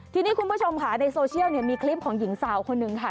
ทีนี้คุณผู้ชมค่ะในโซเชียลมีคลิปของหญิงสาวคนหนึ่งค่ะ